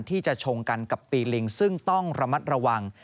ชงกันกับปีลิงซึ่งต้องระมัดระวัง